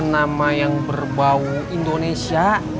nama yang berbau indonesia